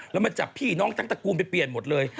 แล้วมาจับพี่น้องทั้งตระกูลไปเปลี่ยนหมดเลย